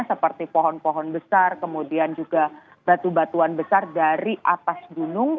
seperti pohon pohon besar kemudian juga batu batuan besar dari atas gunung